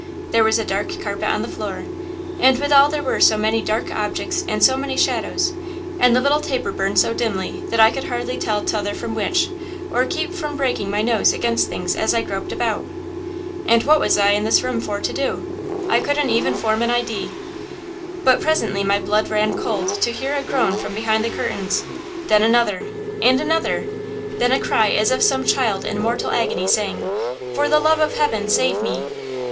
There was a dark carpet on the floor. And with all there were so many dark objects and so many shadows, and the little taper burned so dimly that I could hardly tell t'other from which, or keep from breaking my nose against things as I groped about. "And what was I in this room for to do? I couldn't even form an idee. But presently my blood ran cold to hear a groan from behind the curtains! then another! and another! then a cry as of some child in mortal agony, saying: "'For the love of Heaven, save me!'